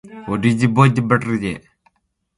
O yiɗu nun hollugo am no o janŋii fulfulde.